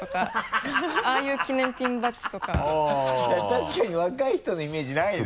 確かに若い人のイメージないな。